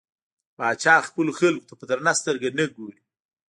پاچا خپلو خلکو ته په درنه سترګه نه ګوري .